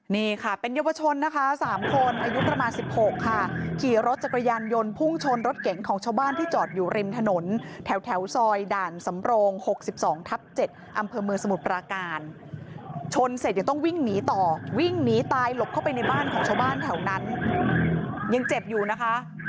นี่ค่ะเป็นเยาวชนนะคะ๓คนอายุประมาณ๑๖ค่ะขี่รถจักรยานยนต์พุ่งชนรถเก๋งของชาวบ้านที่จอดอยู่ริมถนนแถวซอยด่านสำโรง๖๒ทับ๗อำเภอเมืองสมุทรปราการชนเสร็จยังต้องวิ่งหนีต่อวิ่งหนีตายหลบเข้าไปในบ้านของชาวบ้านแถวนั้นยังเจ็บอยู่นะคะ